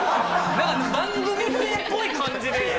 なんか番組名っぽい感じで。